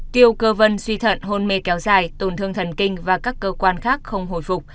tiêu cơ vân suy thận hôn mê kéo dài tổn thương thần kinh và các cơ quan khác không hồi phục